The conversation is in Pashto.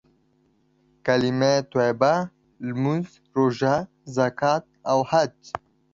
کليمه طيبه، لمونځ، روژه، زکات او حج.